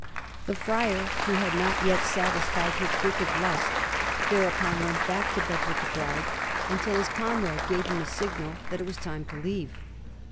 The Friar, who had not yet satisfied his wicked lust, thereupon went back to bed with the bride, until his comrade gave him a signal that it was time to leave.